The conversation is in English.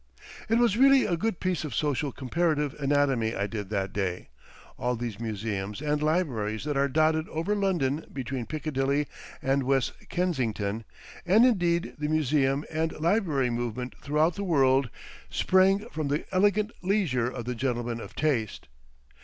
It was really a good piece of social comparative anatomy I did that day; all these museums and libraries that are dotted over London between Piccadilly and West Kensington, and indeed the museum and library movement throughout the world, sprang from the elegant leisure of the gentlemen of taste.